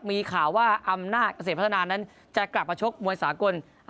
มีข่าวว่าอำนาจเกษตรพัฒนานั้นจะกลับมาชกมวยสากล